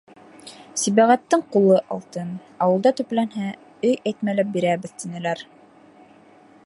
Сибәғәттең ҡулы алтын, ауылда төпләнһә, өй әтмәләп бирәбеҙ, тинеләр.